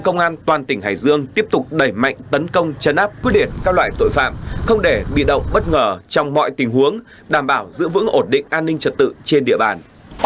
công an toàn tỉnh hải dương tiếp tục đẩy mạnh tấn công chấn áp quyết liệt các loại tội phạm không để bị động bất ngờ trong mọi tình huống đảm bảo giữ vững ổn định an ninh trật tự trên địa bàn